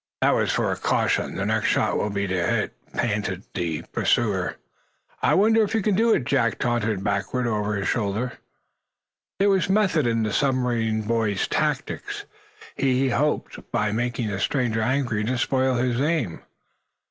"That was for a caution. The next shot will be to hit!" panted the pursuer. "I wonder if you can do it?" Jack taunted backward over his shoulder. There was method in the submarine boy's tactics. He hoped, by making the stranger angry, to spoil his aim.